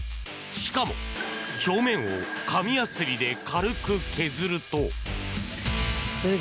しかも表面を紙やすりで軽く削ると。